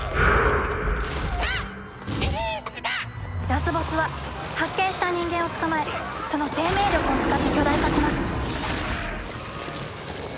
ラスボスは発見した人間を捕まえその生命力を使って巨大化します。